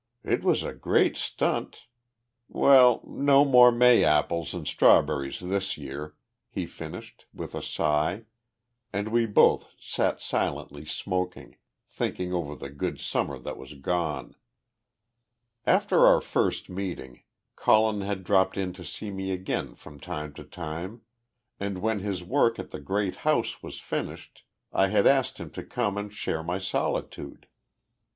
It was a great stunt ... well, no more May apples and strawberries this year," he finished, with a sigh, and we both sat silently smoking, thinking over the good Summer that was gone. After our first meeting, Colin had dropped in to see me again from time to time, and when his work at the great house was finished, I had asked him to come and share my solitude.